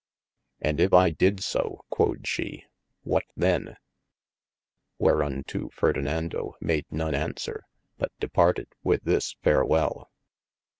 And if I dyd so (quod shee) what than ? Whereunto Ferdinando made none answere, but departed with this farewel.